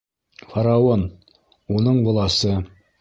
Фараон, уның власы.